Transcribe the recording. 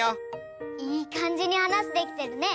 いいかんじに話できてるね。